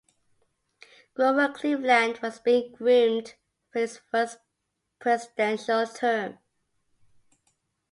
Grover Cleveland was being groomed for his first Presidential term.